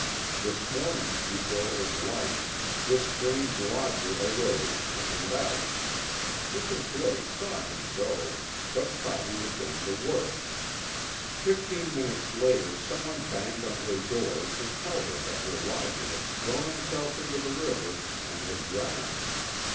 This morning, before it was light, this strange lodger arose and went out. Mrs. Blake saw him go, but thought he was going to work. Fifteen minutes later someone banged on her door to tell her that her lodger had thrown himself into the river and had drowned.